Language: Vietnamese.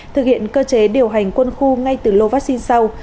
thực hiện cơ chế điều hành quân khu ngay từ lô vaccine sau